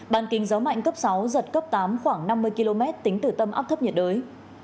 bàn kinh gió mạnh cấp sáu giật cấp tám khoảng năm mươi km tính từ tâm áp thấp nhiệt đới